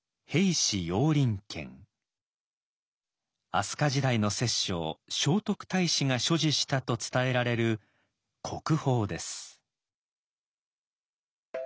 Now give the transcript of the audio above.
飛鳥時代の摂政聖徳太子が所持したと伝えられる国宝です。